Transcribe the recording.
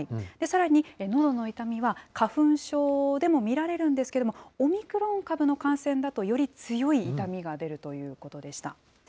さらに、のどの痛みは花粉症でも見られるんですけれども、オミクロン株の感染だと、より強い痛みが出るということでした。